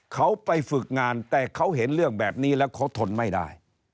เขาไปฝึกงานแต่เขาเห็นเรื่องแบบนี้แล้วเขาทนไม่ได้